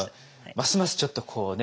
ますますちょっとこうね